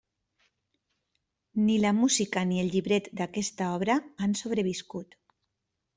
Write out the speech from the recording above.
Ni la música ni el llibret d'aquesta obra han sobreviscut.